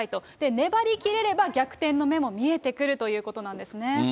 粘りきれれば、逆転の目も見えてくるということなんですね。